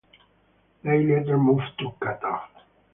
They later moved to Qatar.